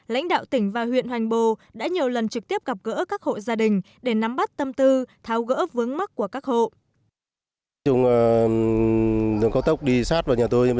lãnh đạo tỉnh và huyện hoành bồ đã nhiều lần trực tiếp gặp gỡ các hộ gia đình để nắm bắt tâm tư tháo gỡ vướng mắt của các hộ